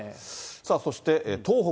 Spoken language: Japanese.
そして東北。